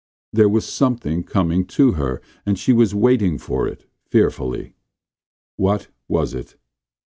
There was something coming to her and she was waiting for it, fearfully. What was it?